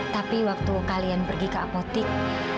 tapi waktu kalian pergi ke apotik